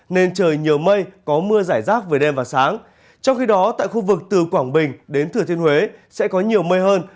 nên trời nhiều mây có mưa giải rác về đêm và sáng trong khi đó tại khu vực từ quảng bình đến thừa thiên huế sẽ có nhiều mây hơn